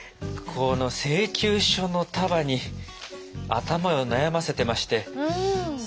この請求書の束に頭を悩ませてまして。